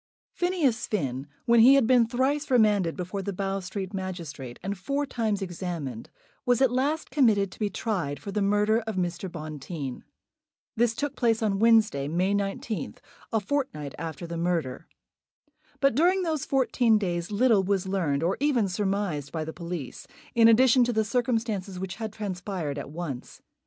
Phineas Finn, when he had been thrice remanded before the Bow Street magistrate, and four times examined, was at last committed to be tried for the murder of Mr. Bonteen. This took place on Wednesday, May 19th, a fortnight after the murder. But during those fourteen days little was learned, or even surmised, by the police, in addition to the circumstances which had transpired at once.